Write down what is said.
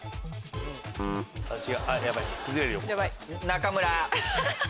中村。